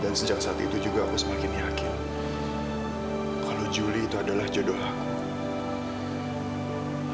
dan sejak saat itu juga aku semakin yakin kalau juli itu adalah jodoh aku